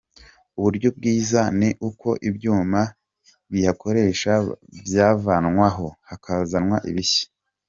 Uburyo bwiza ni uko ibyuma biyakoresha byavanwaho hakazanwa ibishya.